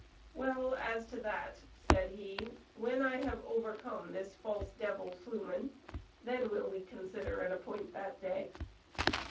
"Well, as to that," said he, "when I have overcome this false devil Flumen, then will we consider and appoint that day."